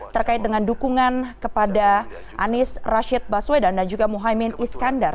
terkait dengan dukungan kepada anies rashid baswedan dan juga muhaymin iskandar